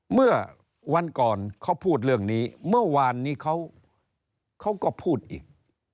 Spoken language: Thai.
เมื่อวันก่อนเขาพูดเรื่องนี้เมื่อวานนี้เขาก็พูดอีก